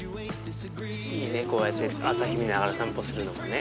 いいねこうやって朝日見ながら散歩するのもね。